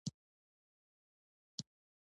خاموش صاحب موټر چلونه ختمه شوه.